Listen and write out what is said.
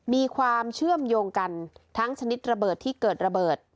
มีความเชื่อมโยงกันทั้งชนิดระเบิดที่เกิดระเบิด